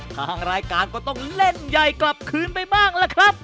ทางรายการก็ต้องเล่นใหญ่กลับคืนไปบ้างล่ะครับ